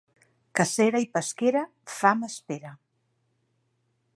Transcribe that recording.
Cacera i pesquera, fam espera.